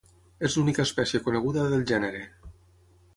És l'única espècie coneguda del gènere.